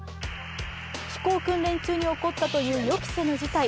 飛行訓練中に起こったという予期せぬ事態。